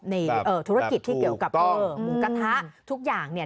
ในธุรกิจที่เกี่ยวกับหมูกระทะทุกอย่างเนี่ย